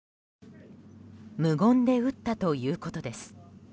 無言で撃ったということです。